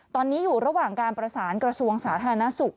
ตอนนี้อยู่ระหว่างการประสานกระทรวงสาธารณสุข